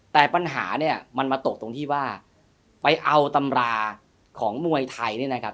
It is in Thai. แต่ปัญหาเนี่ยมันมาตกตรงที่ว่าไปเอาตำราของมวยไทยเนี่ยนะครับ